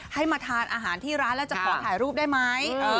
ให้มาทานอาหารที่ร้านแล้วจะขอถ่ายรูปได้ไหม